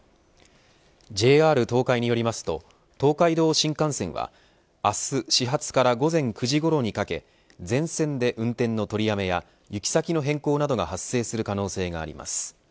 ＪＲ東海によりますと東海道新幹線は明日始発から午前９時ごろにかけ全線で運転の取りやめや行き先の変更などが発生する可能性があります。